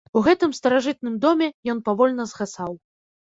У гэтым старажытным доме ён павольна згасаў.